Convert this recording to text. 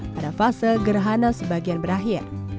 pada fase gerhana sebagian berakhir